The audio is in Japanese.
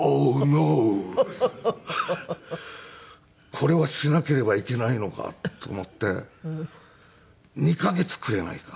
これはしなければいけないのかと思って「２カ月くれないか？